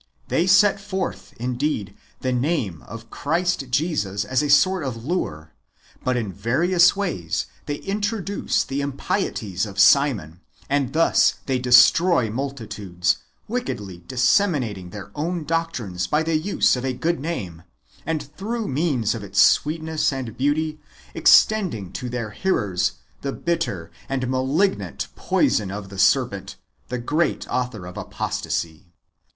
They set forth, indeed, the name of Christ Jesus as a sort of lure, but in various ways they introduce the impieties of Simon ; and thus they destroy multitudes, wickedly dissemi nating their own doctrines by the use of a good name, and, through means of its sweetness and beauty, extending to their hearers the bitter and malignant poison of the serpent, the great author of apostasy.